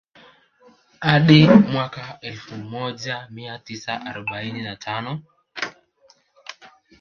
Hadi mwaka Elfu moja mia tisa arobaini na tano